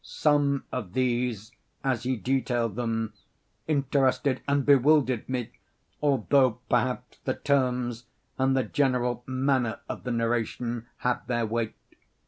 Some of these, as he detailed them, interested and bewildered me; although, perhaps, the terms, and the general manner of the narration had their weight.